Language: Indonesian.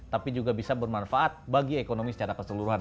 tapi juga bisa bermanfaat bagi ekonomi secara keseluruhan